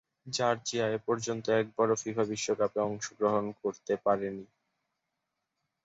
Georgia এপর্যন্ত একবারও FIFA বিশ্বকাপে অংশগ্রহণ করতে পারেনি।